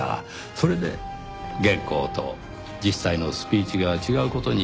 それで原稿と実際のスピーチが違う事に気づいたんです。